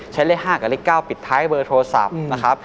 เลข๕กับเลข๙ปิดท้ายเบอร์โทรศัพท์นะครับ